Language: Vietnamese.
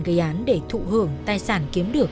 gây án để thụ hưởng tài sản kiếm được